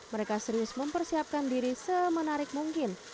mereka serius mempersiapkan diri semenarik mungkin